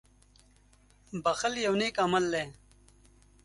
• بښل یو نېک عمل دی.